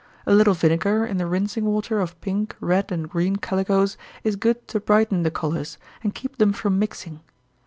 A little vinegar in the rinsing water of pink, red, and green calicoes, is good to brighten the colors, and keep them from mixing.